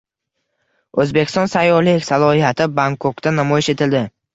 O‘zbekiston sayyohlik salohiyati Bangkokda namoyish etildi